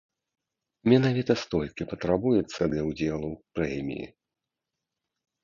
Менавіта столькі патрабуецца для ўдзелу ў прэміі.